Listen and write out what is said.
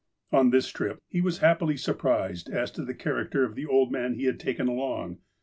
On this trip, he was happily surprised as to the char acter of the old man he had taken along.